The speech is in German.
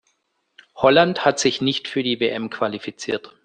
Holland hat sich nicht für die WM qualifiziert.